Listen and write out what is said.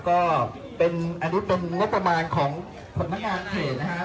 ก็เป็นอันนี้เป็นงบประมาณของสำนักงานเขตนะครับ